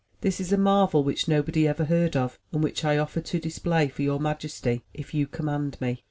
This is a marvel which nobody ever heard of, and which I offer to display for your majesty if you command me."